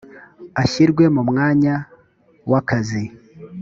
ashyirwe mu mwanya w akazi